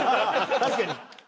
確かに。